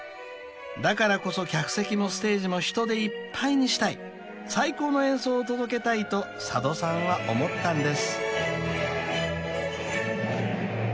［だからこそ客席もステージも人でいっぱいにしたい最高の演奏を届けたいと佐渡さんは思ったんです］